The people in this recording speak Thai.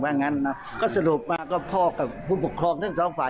งั้นนะก็สรุปมาก็พ่อกับผู้ปกครองทั้งสองฝ่าย